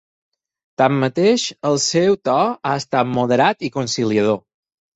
Tanmateix, el seu to ha estat moderat i conciliador.